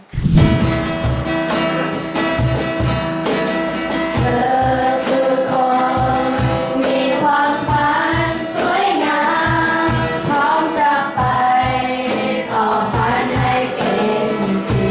เธอคือคนมีความฝันสวยงามพร้อมจะไปต่อฝันให้เป็นชีวิต